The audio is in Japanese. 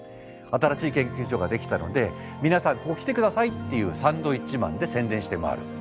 新しい研究所ができたので皆さん来て下さいっていうサンドイッチマンで宣伝して回る。